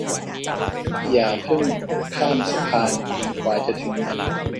อย่าพึ่งข้ามสะพานจนกว่าจะถึงมัน